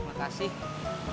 nggak ada lagi nama patar